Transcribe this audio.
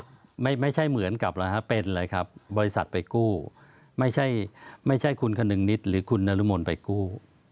ใช่ไม่ใช่เหมือนกับแล้วครับเป็นเลยครับบริษัทไปกู้ไม่ใช่คุณคณึงนิตหรือคุณนุรมนต์ไปกู้